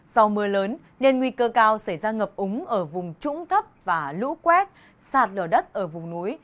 do mưa lớn nên nguy cơ cao xảy ra ngập úng ở vùng trũng thấp và lũ quét sạt lở đất ở vùng núi